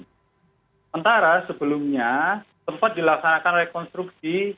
sementara sebelumnya sempat dilaksanakan rekonstruksi